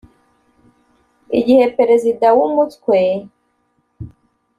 Igihe perezida w umutwe